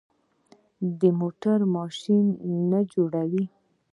موټر د ماشین نه جوړ وي.